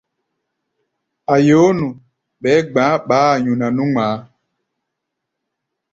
A̧ yoó nu, ɓɛɛ́ gba̧á̧ ɓaá-a nyuna nú ŋmaa.